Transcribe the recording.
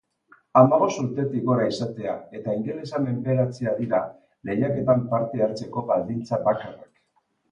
Hamabost urtetik gora izatea eta ingelesa menperatzea dira lehiaketan parte hartzeko baldintza bakarrak.